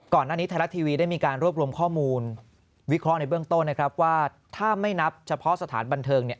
ก่อนหน้านี้ไทยรัฐทีวีได้มีการรวบรวมข้อมูลวิเคราะห์ในเบื้องต้นนะครับว่าถ้าไม่นับเฉพาะสถานบันเทิงเนี่ย